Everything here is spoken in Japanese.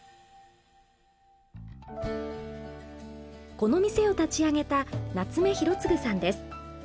この店を立ち上げた夏目浩次さんです。